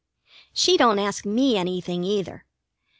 She don't ask me anything, either.